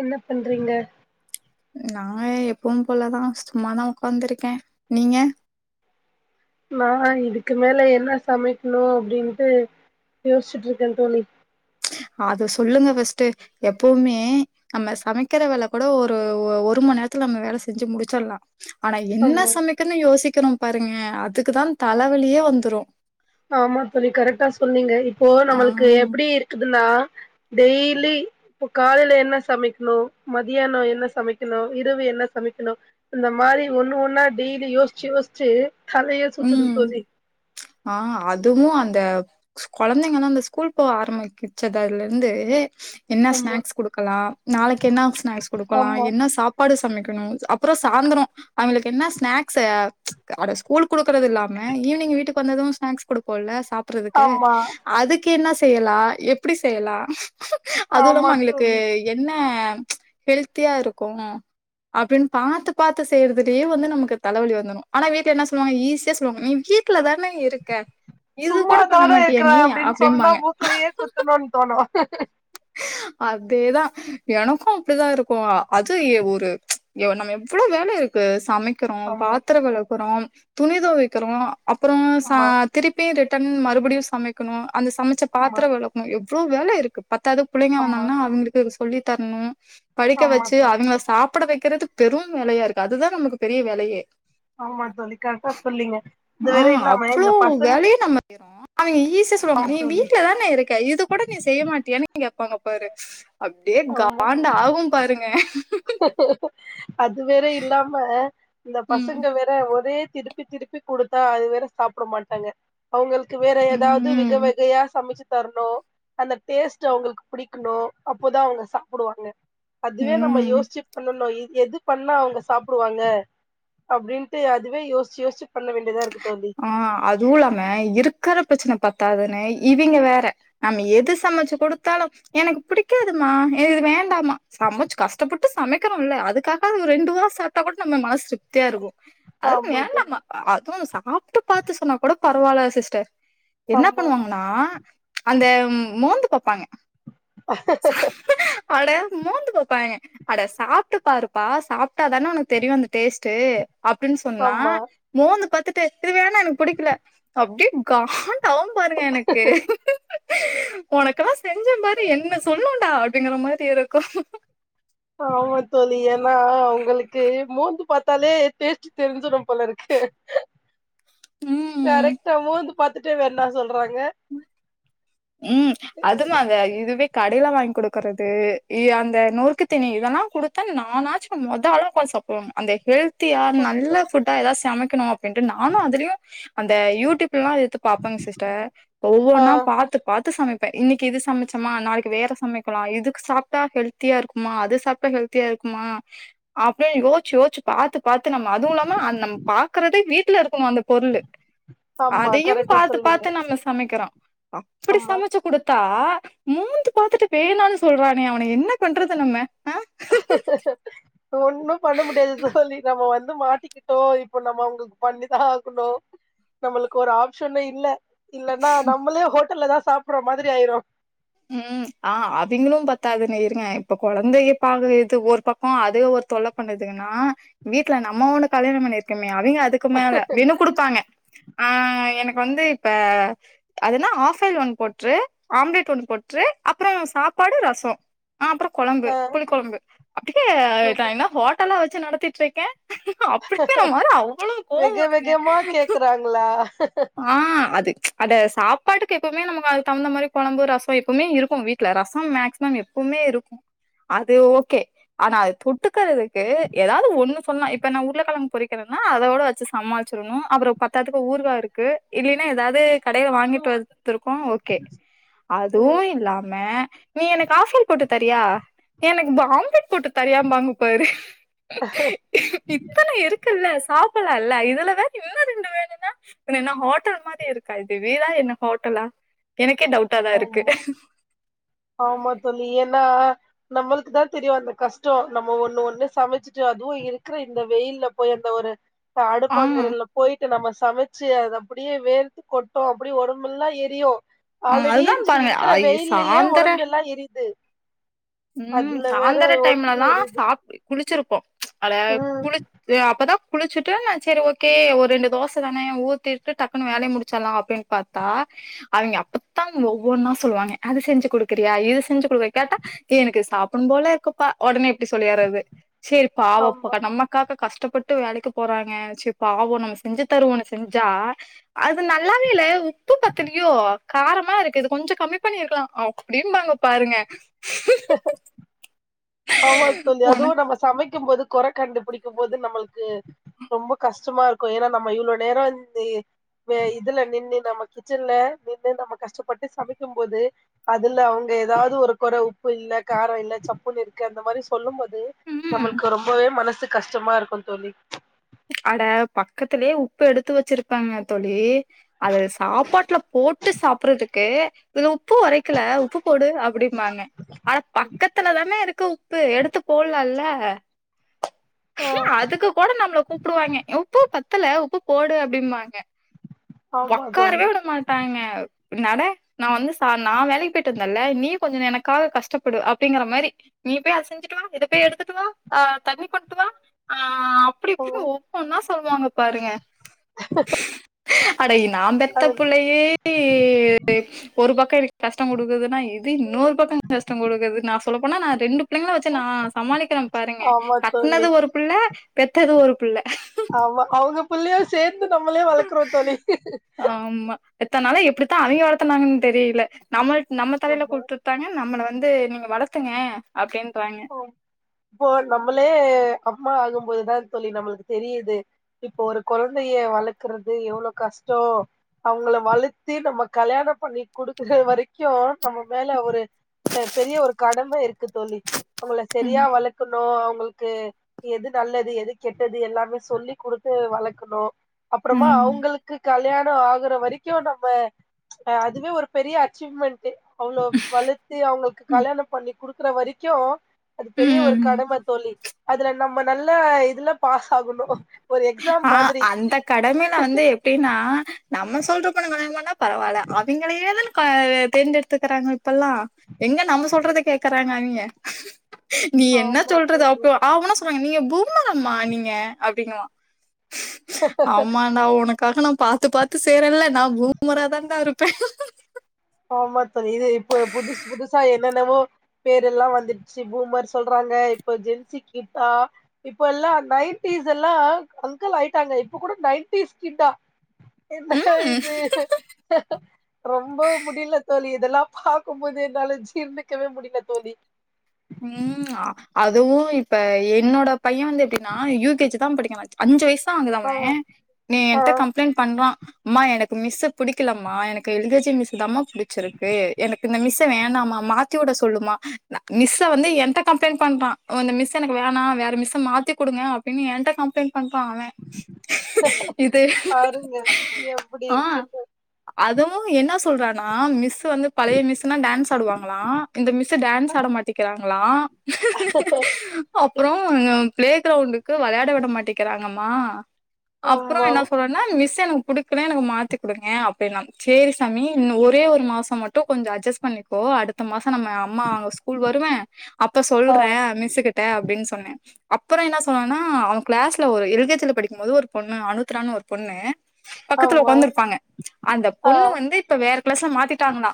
என்ன பண்றீங்க நா எப்பவும்போலதா சும்மாதா ஒக்காந்துருக்கே நீங்க நா இதுக்கு மேல என்ன சமைக்னு அப்டின்ட்டு யோசிச்ட்ருக்கன் தோழி அத சொல்லுங்க ஃபஸ்ட்டு எப்பவுமே நம்ம சமைக்கற வேல கூட ஒரு ஒ ஒரு மண்நேரத்துல நம்ம வேல செஞ்சு முடிச்சட்லா ஆனா என்ன ஆமா சமைக்கனு யோசிக்கறோம் பாருங்க அதுக்குதான் தலவலியே வந்துரும் ஆமா தோழி கரெக்டா சொன்னீங்க இப்போ நம்மளுக்கு ஆம் எப்புடி இருக்குதுன்னா டெய்லி இப்பொ காலையில என்ன சமைக்னு மதியான என்ன சமைக்கனு இரவு என்ன சமைக்கனு இந்த மாறி ஒன்னு ஒன்னா டெய்லி யோசுச் யோசுச்சு தலையே சுத்துது ம் தோழி ஆ அதுவு அந்த கொழந்தைங்கலா அந்த ஸ்கூல் போ ஆரம்பிக்கிச்சதலந்து என்னா ஆமா ஸ்நாக்ஸ் குடுக்கலா நாளைக்கு என்னா ஸ்நாக்ஸ் குடுக்கலா ஆமா என்னா சாப் பாடு சமைக்கனு அப்பறொ சாந்தரொ அவெங்களுக் என்ன ஸ்நாக்ஸ் அ அட ஸ்கூல்க் குடுக்கறதில்லாம ஈவ்னிங் வீட்டுக் வந்தது ஸ்நாக்ஸ் குடுப்போல்ல சாப்புட்றதுக்கு ஆமா அதுக்கு என்னா செய்யலா எப்புடி செய்யலா ஆமா அதுல்லாம அய்ங்களுக்கு தோழி என்ன ஹெல்த்தியா இருக்கு அப்டின் பாத்து பாத்து செய்யறதுலே வந்து நமக்கு தலவலி வந்துரு ஆனா வீட்ல என்ன சொ ல்லுவாங்க ஈஸியா சொல்லுவாங்க நீ வீட்ல தான இருக்க இது சும்மா கூட பண்ண தான மாட்டியா இர்க்குற நீ அப்டின் அப்டிம்பாங்க. சொன்னா மூக்லயே குத்தனுன் தோணு அதேதா எனக்கு அப்டிதா இருக்கு அது எ ஒரு யொ நம்ம எவ்ளோ வேல இருக்கு சமைக் க்ரோ ஆமா பாத்தரொ வெளக்கறோ துணி தொவைக்றோ அப்றொ சா ஆமா திருப்பி ரிட் டன் மறுபடியு சமைக்கனு அந்த சமச்ச ஆமா பாத்தரொ வெளக்னு எவ்ளோ வேல இருக்கு பத்தாத புள்ளைங்க ஆமா வந்தாங்ன்னா அவுங்களுக்கு அது சொல்லி தர்னு படிக்க ஆமா வச்சு தோழி அவுங்ள சாப் ட வக்கிறது பெரும் வேலையா இருக்கு அதுதான நமக்கு பெரிய வேலையே ஆமா தோழி கரட்டா சொல்லிங்க இது வேற இல்லாம இந்த பசங்க அவெங்க ஈஸியா சொல்லுவாங்க ஆமா நீ தோழி வீட்ல தான இருக்க இது கொட நீ செய்ய மாட்டியானு கேப்பாங்க பாரு அப்டியே ஆமா காண்ட் ஆகு பாருங்க அது வேற இல்லாம இந்த பசங்க ம் வேற ஒரே திருப்பி திருப்பி குடுத்தா அது வேற சாப்ட மாட்டாங்க அவுங்களுக் கு வேற ஏதாவ்து ம் விகவகையா சமச்சு தர்ணு அந்த டேஸ்ட் அவுங்களுக்கு பிடிக்கணு அப்போதா அவுங்க சாப்புடுவாங்க அதுவே நம்ம ம் யோசி பண்ணனு எது பண்ணா அவுங்க சாப்புடுவாங்க அப்டின்ட்டு அதுவே யோசிச்சு யோசுச்சு பண்ண வேண்டியதா இருக்கு தோழி அ அதுவு இல்லாம இருக்கற பிரச்சன பத்தாதுன்னு இவிங்கெ வேற நம்ம எது சமச்சு கொடுத்தாலு எனக்கு பிடிக்காதுமா எனக் அது வேண்டாமா சமச்சு கஷ்டப்பட்டு சமைக்றோல அதுக்காகாது ஒரு ரெண்டு வா சாப்ட்டா கொட நம்ம மனசு திருப்தியா இருக்கு அதுவு ஆமா வேண்டாம தோழி மா அதுவு சாப்ட்டு பாத்து சொன்னா கூட பரவால்ல சிஸ்டர் என்ன ஆமா பண்ணுவாங்கன்னா அந்த மோந்து பாப்பாங்க அஹ ஹ ஹ ஹ அட மோந்து பாப்பாங்க அட சாப்ட்டு பாருப்பா சாப்ட்டாதான உனக்கு தெரியு அந்த டேஸ்ட்டு அப்டின்னு சொன்னா ஆமா மோந்து பாத்துட்டு இது வேணா எனக்கு பிடிக்ல அப்டே காண்டாவு பாருங்க எனக்கு ஒனக்கெல்லா செஞ்சே பாரு என்ன சொல்னுன்டா அப்டிங்கிற மாத்ரி இருக்கு ஆமா தோழி ஏன்னா அவுங்களுக்கு மோந்து பாத்தாலே டேஸ்ட்டு தெரிஞ்சுரு போலருக்கு ஹ ம் கரெக்டா மோந்து பாத்துட்டே வேண்டான் சொல்றாங்க ம் அது தாங்க இதுவே கடைல வாங்கி குடுக்குறது இ அந்த நொறுக்கு தீணி இதெல்லா குடுத்த நானாச்சு மொத ஆளா போய் சாப் [unintelligible] அந்த ஹெல்த் தியா சூப்- நல்ல ஃபுட்டா ஏதாத் சமைக்கணு அப்டின்ட்டு நானு அதுலயு அந்த யூடியூப்லா எடுத்து பாப்பங்க சிஸ்டர் ஆ ஒவ்வொன்னா பாத் பாத்து சமப்பே இன்னக்கி இது சமச்சமா நாளக்கி வேற சமைக்கலா இதுக் சாப்ட்டா ஹெல்தியா இருக்குமா அது சாப்ட்டா ஹெல்த் தியா இருக்குமா அப்டின் யோச்சு யோச்சு பாத்து பாத்து நம்ம அதுவு இல்லாம நம்ம பாக்றதே வீட்ல இருக்குனு அந்த பொருளு ஆமா அதயு கரெக்டா பாத்து பாத்து நாங்க சமைக்கிறோ அம்மா ச்சு குடுத்தா மோந்து பாத்துட்டு வேணான் சொல்றானே அவன என்ன பண்றது நம்ம ஒன்னு பண்ண முடியாது தோழி நம்ம வந்து மாட்டிக்கிட்டோ இப்ப நம்ம அவங்களுக்கு பண்ணிதா ஆகணு நம்மளுக்கு ஒரு ஆப்ஷனு இல்ல இல்லன்னா நம்மளே ஹோட்டல்ல தா சாப்டுற மாதிரி ஆயிரு ம் ஆ அதுங்களு பத்தாதுனு இருங்க இப்ப கொழந்தைய பாக்ற இது ஒரு பக்க அதே ஒரு தொல்ல பண்ணுதுங்கனா வீட்ல நம்ம ஒண்ணு கல்யாண பண்ணி இருக்கமே அவிங்க அதுக்கு க்கு மேல மெனு குடுப்பாங்க ஆ எனக்கு வந்து இப்ப அது என்னா ஆஃப் ஆயில் ஒன்னு போட்டுரு ஆம்லெட் ஒன் போட்டுரு அப்ற சாப்பாடு ரச ஆ அப்பற கொழம்பு ஆ புளி கொழம்பு அப்டியே நா சூப்பர் என்ன ஹோட்டல்லா வச்சு நடத்திட்டு இருக்கே அப்டிதே ஆனா அவ்ளோ கோவ வருங்க நில்லா ஆ அது அட சாப்பாட்டுக்கு எப்பமே நம்ம் அதுக்கு தகுந்த மாரி கொழம்பு ரச எப்பமே இருக்கு வீட் ல ரச மேக்சிமம் எப்பமே இருக்கு அது ஓகே ஆனா அது தொட்டுக்கிறதுக்கு எதாவது ஒண்ணு சொன்னா இப்ப நா உருள கிழங்கு பொறிக்கிறன்னா அதோட வச்சு சா சமாளிச்சிறணு அப்பறோ பத்தாதுக்கு ஊறுகா இருக்கு இல்லனா எதாது கடைல வாங்கிட்டு வந்திருப்போ ஓகே அதுவு ம் இல்லாம நீ எனக்கு ஆஃப் ஆய்ல் போட்டு தரியா நீ எனக்கு பாம்லேட் போட்டு தரியாம்பாங்க பாரு இத்தன இருக்குல்ல சாப்பட்லால இதுல வேற இன்னு ரெண்டு வேணுன்னா பின்ன என்ன ஹோட்டல் மாரி இருக்கா இது வீடா என்ன ஹோட்டல்லா எனக்கே டவுட்டா தா இருக்கு ஆமா ஆமா தோழி ஏன்னா நம்மளுக்கு தா தெரியு அந்த கஷ்டோ நம்ம ஒன்னு ஒன்னு சமைச்சுட்டு அதுவு இருக்குற இந்த வெயில்ல போய் அந்த ஒரு ஆ அடுப்பாங்கறைல போய்ட்டு நம்ம சமைச்சு அத அப்டியே வேர்த்து கொட்டு அப்டியே உடம்பெல்லா எரியு ஆ ஆல்ரெடி அதுதா இஞ்ச்சு பாருங்க இருக்குற ஐ வெயில்லயே சாந்தர ஒடம்பு எல்லா எரிது ம் சாந்தர டைம்லல்லா எரியுது சாப்ட் குளிச்சிருப்போ அட ம் குளி அப்பதா குளிச்சுட்டு நா செரி ஓகே ஒரு ரெண்டு தோச தான ஊத்திட்டு டக்குன்னு வேலைய முடிச்சலா அப்டின் பாத்தா அவிங்க அப்பத்தா ஒவ்வொன்னா சொல்லுவாங்க அது செஞ்சு குடுக்குறியா இது செஞ்சு குடுக்குறியா கேட்டா எனக்கு சாப்பட்னு போல இருக்குப்பா ஒடனே இப்டி சொல்லிர்றது செரி ஆமா பாவோப்பக்க நம்ம காக கஷ்டப்பட்டு வேலைக்கு போறாங்க செரி பாவோ நம்ம செஞ்சு தருவோன்னு செஞ்சா அது நல்லாவே இல்ல உ உப்பு பத்தலயோ காரமா இருக்கு இது கொஞ்சோ கம்மி பண்ணிருக்கலா அப்டிம்பாங்க பாருங்க ஆமா தோழி அதுவு நம்ம சமைக்கு போது கொற கண்டுபிடிக்கு போது நம்மள்க்கு ரொம்ப கஷ்டமா இருக்கு ஏன்னா நம்ம இவ்ளோ நேரோ இந்து அ இதுல நின்னு நம்ம கிச்சன்ல நின்னு நம்ம கஷ்டப்பட்டு சமைக்கு போது அதுல அவுங்க ஏதாது ஒரு கொற உப்பு இல்ல காரோ இல்ல சப்புன்னு இருக் கு அந்த மாரி சொல்லு போது ம் நம்மள்க்கு ரொம்பவே மனசு கஷ்டமா இருக்கு தோழி அட பக்கத்லயே உப்பு எடுத்து வெச்சிருப்பங்க தோழி அத சாப்பாட்ல போட்டு சாப்பட்றதுக்கு இது உப்பு ஒறைக்கல உப்பு போடு அப்டிம்பாங்க அட பக்கத்துல தான இருக்கு உப்பு எடுத்து போல்லால்ல ஆ அதுக்கு கூட நம்ள கூ பாய்ங்க உப்பு பத்தல உப்பு போடு அப்டிம்பாங்க ஆமா தோழி ஒக்காரவே உட மாட் ட்டாங்க பின்னாட நா வந்து ச நா வேலைக்கு போய்ட்டு வந்தல நீ கொஞ்சோ எனக்காக கஷ்டப்படு அப்டிங்ற மாரி நீ போய் அத செஞ்சிட்டு வா இத போய் எடுத்துட்டு வா ஆ தண்ணி கொண்டு வா ஆ அப்டி ன்னு ஆமா ஒவ்வொன்னா சொல்லுவாங்க பாருங்க அட ஏ நா பெத்த அது புள்ளயே [unintelligible] ஒரு பக்கோ எனக்கு கஷ்டோ குடுக்குதுன்னா இது இன்னொரு பக்கோ கஷ்டோ குடுக்குது நா சொல்லப் போனா நா ரெண்டு புள்ளைங்கள வெச்சு நா சமாளிக்றே பாருங்க ஆமா தோழி கட்னது ஒரு புள்ள பெத்தது ஒரு புள்ள ஆமா அவுங்க புள்ளையு சேத்து நம்ளே வளக்குறோ தோழி ஆமா இத்தன் நாளா எப்டி தா அவிங்க வளத்துனாங்கன் தெரில நம்மள் நம்ம தலைல ஆமா குடுத்து ட்டாங்க நம்மள வந்து நீங்க வளத்துங்க அப்டின்றாய்ங்க ஒ இப்போ நம்ளே அம்மா ஆகும்போது தா தோழி நம்ளுக் தெரிது இப்போ ஒரு கொழந்தைய வளக்குறது எவ்ளோ கஷ்டோ அவுங்கள வளத்தி நம்ம கல்யாணோ பண்ணி குடுக்குற வரைக்கு நம்ம மேல ஒரு அ பெரிய ஒரு கடம இருக்கு தோழி அவுங்கள செரியா ம் வளக்குணு அவுங்குளுக்கு எது நல்லது எது கெட்டது எல்லாமே சொல்லி குடுத்து வளக்குணு அப்றமா ம் அவுங்களுக்கு கல்யாணோ ஆகுற வரைக் கு நம்ப ஆ அதுவே ஒரு பெரிய அச்சீவ்மெண்ட்டு அவ்ளோ வளத்து அவுங்களுக்கு ம் கல்யாணோ பண்ணி குடுக்குற வரைக்கு அது பெரிய ஒரு ம். கடம தோழி அதுல நம்ம நல்ல இதுல பாஸ் ஆகுணு ஆ அந்த கடமைல வந்து எப் எப்டின்னா நம்ம சொல்றப்பன [unintelligible] பரவால்ல அவிங்கலே இல்ல கோ தேர்ந்தெடுக்குறாங்க இப்பல்லா எங்க நம்ம சொல்றத கேக்குறாங்க அவிங்க நீ என்ன ஆமா சொல்றது தோழி அப்போ ஆவுனா சொல்றாங்க நீங்க பூமர் அம்மா நீங்க அப்டினுவா ஆமா நா உனக்காக நா பாத்து பாத்து செய்றல நா பூமரா தா டா இருப்பே ஆமா தோழி இது இப்ப புதுசு புதுசா என்னென்னவோ பேர் எல்லா வந்திருச்சு பூமர் சொல்றாங்க இப்ப ஜென்சி கிட்டா இப்ப எல்லா நைன்டிஸ் எல்லா அங்கல் ஆயிட்டாங்க இப்ப கூட நைன்டிஸ் கிட்டா என்ன ம் இது ரொம்போ முடில தோழி இதெல்லா பாக்கும்போது என்னால ஜீர்ணிக்கவே முடில தோழி ம் அதுவு இப்ப என்னோட பையே வந்து எப்டின்னா யூகேஜி தா படிக்கிறா அஞ்சு வஏய்சு தா ஆகுது அவே ஆ நீ ஆ என்ட்ட கம்ப்ளைண்ட் பண்றா மா எனக்கு மிஸ்சு புடிக்கலமா எனக்கு எல்கேஜி மிஸ் தாமா புடிச்சிருக்கு எனக்கு இந்த மிஸ்ஸ வேணாமா மாத் த்தி வுட சொல்லுமா மிஸ்ஸ வந்து என்ட்ட கம்ப்ளைண்ட் பண்றா ஒ அந்த மிஸ் எனக்கு வேணா வேற மிஸ்ஸ மாத்தி குடுங்க அப்டின்னு என்ட்ட கம்ப்ளைண்ட் பண்றா அவ இது பாருங்க எப்டி ஆ இருக்குன்னு அதுவு என்னா சொல்றானா மிஸ்சு வந்து பழைய மிஸ்னா டான்ஸ் ஆடுவாங்ளா இந்த மிஸ் டான்ஸ் ஆட மாட் டிக்கிறாங்களா அப்றோ பிளே கிரவுண்ட்க்கு வெளயாட விட மாட்டிக்கிறாங்கம்மா அப்றோ ஆமா என்ன சொல் னன் மிஸ் எல்லா புடிக்கல எனக்கு மாத்தி குடுங்க அப்டின்னா சேரி சாமி இன்னு ஒரே ஒரு மாசொம் மட்டு கொஞ்சொ அஜ்ஜஸ் பண்ணிக்கோ அடு த்த மாசொ நம்ம அம்மா ஸ்கூல் வருவ அப்ப ஆ சொல்ற மிஸ்சுகிட்ட அப்டின்னு சொன்ன அப்பொற என்ன சொன்னானா அவ க்ளாஸ்ல ஒரு எல் கே ஜி ல படிக்கும் போது ஒரு பொண்ணு அனுத்ரான்னு ஒரு பொண்ணு பக்கத்துல ஆமா உக்காந்துருப்பாங்க அந்த ஆ பொண்ணு வந்து இப்ப வேற க்ளாஸ்ல மாத்திட்டாங்களா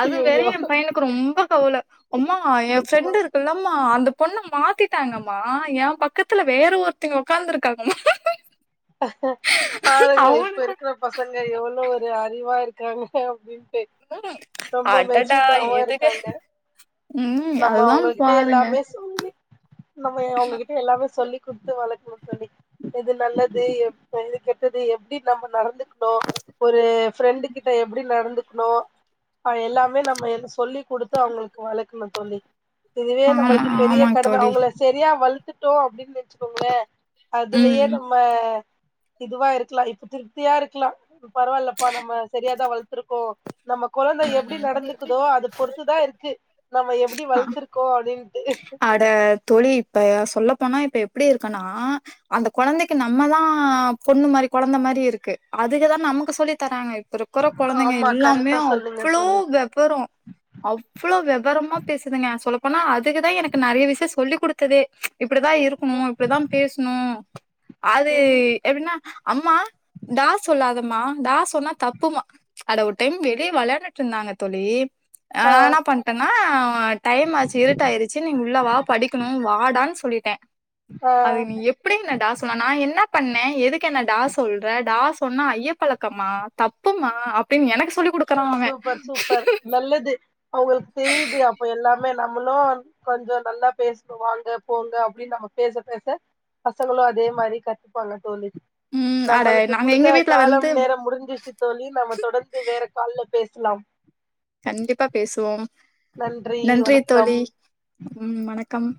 அது வேற ஏ பையனுக்கு ரொம்ப கவல அம்மா ஏ ஆமா ஃப்ரெண்டு கல்லமா அந்த பொண்ண மாத்திட்டாங்கம்மா ஏம்பக்கத்துல வேற ஒருத்திங்க ஒக்கார்ந்துருக்காங்கம்மா பாருங்க இப்ப இருக்குற பசங்க எவ்ளோ ஒரு அறிவா இருக்காங்க அப்டின்ட்டு ம்ம் ரொம்ப அடடா மெச்சூர்டாவு இதுங்க இருக்காங்க ம் நம்ம அதுதா அவங்ககிட்ட பாருங்க எல்லாமே சொல்லி நம்ம அவ்ங்ககிட்ட எல்லாமே சொல்லி குடுத்து வளக்கணு தோழி எது நல்லது எப் எது கெட்டது எப்டி நம்ப நடந்து டோ ஒரு ஃப்ரெண்டு கிட்ட எப்பிடி நடந்துக்கணு அ எல்லாமே நம்ம என்ன சொல்லி குடுத்து அவங்களுக்கு வளக்கணு தோழி இதுவே ஆமா நம்மளுக்கு பெரிய ஆமாங்க கடம தோழி அவ்ங்கள செரியா வள்த்துட்டோ அப்டின் வெச்சுக்கோங்களே அதுலெயே ம் நம்ம இதுவா இருக்லா இப்ப திருப்தியா இருக்லா பரவாயில்லப்பா நம்ம செரியாதா வளத்துருக்கோ நம்ம கொழந்த எப்டி ம் நடந்துக்குதோ அது பொறுத்துதா இருக்கு நம்ம எப்டி ஆ வளத்துரு கோ அப்டின்ட்டு அட தோழி இப்ப சொல்லப்போனா இப்ப எப்பிடி இருக்கனா அந்த கொழந்தெக்கு நம்மதா பொண்ணு மாரி கொழந்த மாரி இருக்கு அதுகதா நமக்கு சொல்லி தராங்க ப்பருக்குற கொழந்தெங்க ஆமா எல்லாமே கரெக்டா சொன்னீங்க அவ்ளோ தோழி வெ வரொ அவ்ளோ வெவரமா பேசுதுங்க சொல்லப்போனா அதுகதா எனக்கு நறையா விஷ்யோ சொல்லி குடுத்ததே இப்டிதா இருக்குணு இப்டிதா பேசுணு அது எப்டின்னா அம்மா டா சொல்லாதமா டா சொன்னா தப்புமா அட ஒரு டைம் வெளிய வெளயாண்டுட்டு இருந்தாங்க தோழி நா ஆ என்ன பண்ட்டன்னா டைம் ஆச்சு இருட்டாயி னு உள்ளவா படிக்குணு வாடானு சொல்லிட்டே ஆ அது நீ எ எப்டி என்ன டா சொன்ன நா என்ன பண்ணே எதுக்கு என்ன டா சொல்ற டா சொன்னா ஐயப்பழக்கம்மா தப் பும்மா அப்டின்னு எனக்கு சொல்லி குடு சூப்பர் சூப்பர் நல்லது அவ்ங்களுக்கு தெரியுது அப்ப எல்லாமே நம்மளு அ கொஞ்சொ நல்லா பேசுனு வாங்க போங்க அப்டின்னு நம்ம பேச பேச பசங்களு அதே மாரி கத்ப்பாங்க தோழி ம் அட நம்மளுக்கு நாங்க எங்க குடுத்த வீட்ல காலம் வந்து நேரம் முடுஞ்சுருச்சு தோழி நம்ம தொடர்ந்து வேற கால்ல பேசலாம் கண்டிப்பா பேசுவோம் நன்றி தோழி ம் வணக்கம்